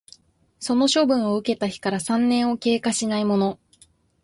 その処分を受けた日から三年を経過しないもの